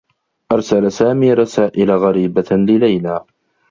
أرسل سامي رسائل غريبة لليلى.